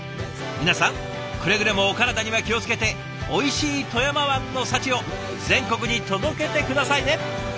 皆さんくれぐれもお体には気を付けておいしい富山湾の幸を全国に届けて下さいね。